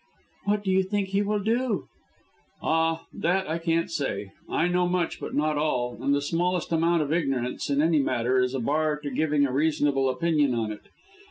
"What do you think he will do?" "Ah! that I can't say. I know much, but not all; and the smallest amount of ignorance in any matter is a bar to giving a reasonable opinion on it.